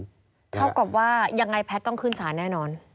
เท่ากับว่ายังไงแพทย์ต้องขึ้นสารแน่นอน